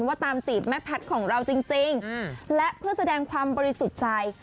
ว่าตามจีบแม่แพทย์ของเราจริงและเพื่อแสดงความบริสุทธิ์ใจ